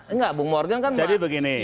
enggak bung morgan kan jadi begini